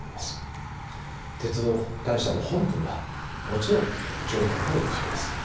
鉄道会社の本分はもちろん乗客の輸送です。